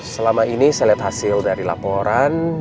selama ini saya lihat hasil dari laporan